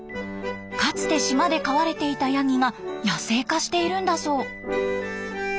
かつて島で飼われていたヤギが野生化しているんだそう。